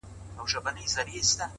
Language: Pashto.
هغه شپه مي ټوله سندريزه وه!